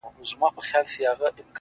د درد د كړاوونو زنده گۍ كي يو غمى دی ـ